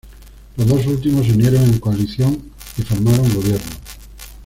Los dos últimos se unieron en coalición y formaron gobierno.